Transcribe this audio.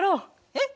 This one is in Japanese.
えっ！？